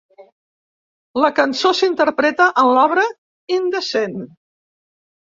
La cançó s'interpreta en l'obra "Indecent".